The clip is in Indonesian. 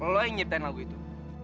lo yang nyiptain lagu itu